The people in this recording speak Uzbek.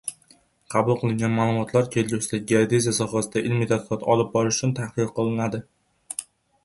Qabul qilingan maʼlumotlar kelgusida geodeziya sohasida ilmiy tadqiqot olib borish uchun tahlil qilinadi.